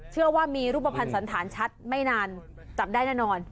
เชื่อว่ามีรูปภัณฑ์สันธารชัดไม่นานจับได้แน่นอน